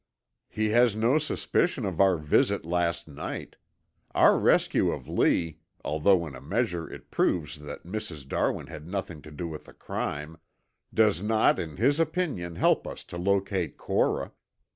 "He has no suspicion of our visit last night. Our rescue of Lee, although in a measure it proves that Mrs. Darwin had nothing to do with the crime, does not in his opinion help us to locate Cora.